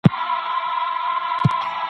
بې تاریخه قام مخته نه سي تلای